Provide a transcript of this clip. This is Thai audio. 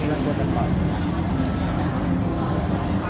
เราก็แบบเอากันแบบ